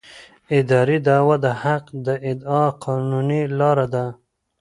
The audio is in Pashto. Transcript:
اداري دعوه د حق د اعادې قانوني لاره ده.